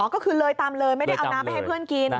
ก็คือเลยตามเลยไม่ได้เอาน้ำไปให้เพื่อนกิน